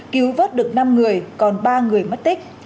cứu vớt được năm người còn ba người mất tích